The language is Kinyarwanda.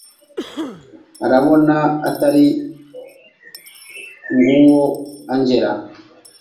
urabona atari nguwo angella